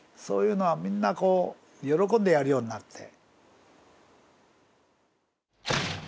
そういうのはみんなこう喜んでやるようになって。